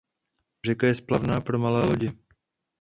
Řeka je splavná pro malé lodě.